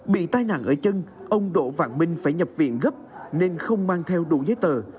bị tai nạn ở chân ông đỗ vạn minh phải nhập viện gấp nên không mang theo đủ giấy tờ